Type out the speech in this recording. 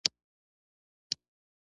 ژوندي امید لري